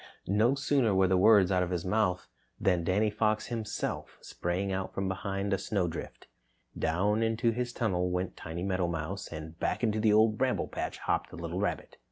No sooner were the words out of his mouth than Danny Fox himself sprang out from behind a snowdrift. Down into his tunnel went Timmy Meadowmouse and back into the Old Bramble Patch hopped the little rabbit.